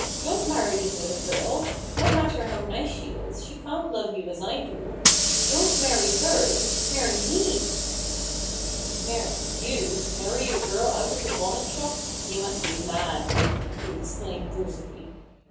Don't marry this other girl ! No matter how nice she is, she can't love you as I do. Don't marry her — marry me!" u Marry you ? Marry a girl out of a bonnet shop ? You must be mad !" he exclaimed HUGO RAVEN S HAND. 153 brutally.